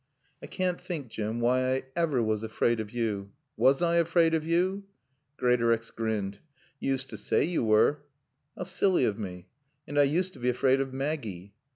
"I can't think, Jim, why I ever was afraid of you. Was I afraid of you?" Greatorex grinned. "Yo' used t' saay yo' were." "How silly of me. And I used to be afraid of Maggie."